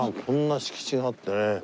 こんな敷地があってね。